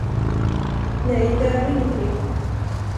Nej, det är ingenting.